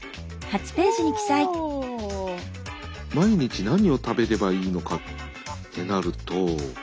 毎日何を食べればいいのかってなると。